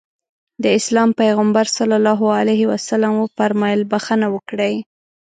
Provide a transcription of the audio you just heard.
د اسلام پيغمبر ص وفرمايل بښنه وکړئ.